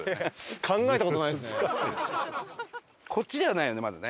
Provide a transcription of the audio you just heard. こっちではないよねまずね。